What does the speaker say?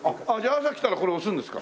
朝来たらこれ押すんですか？